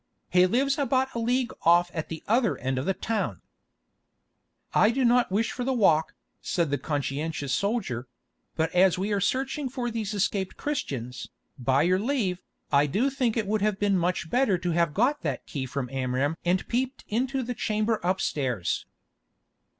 "He lives about a league off at the other end of the town." "I do not wish for the walk," said the conscientious soldier; "but as we are searching for these escaped Christians, by your leave, I do think it would have been much better to have got that key from Amram and peeped into the chamber upstairs."